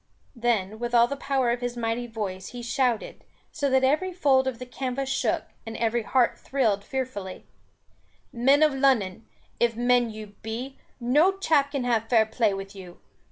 Then, with all the power of his mighty voice he shouted, so that every fold of the canvass shook, and every heart thrilled fearfully: "Men of Lunnon, if men you be, no chap can have fair play with you.